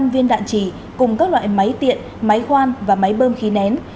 sáu mươi năm viên đạn chỉ cùng các loại máy tiện máy khoan và máy bơm khí nén